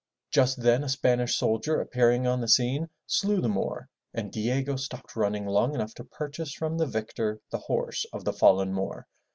Just then a Spanish soldier appearing on the scene, slew the Moor, and Diego stopped running long enough to purchase from the victor the horse of the fallen Moor.